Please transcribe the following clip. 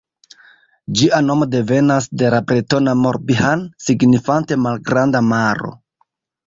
Ĝia nomo devenas de la bretona Mor-Bihan signifante Malgranda Maro.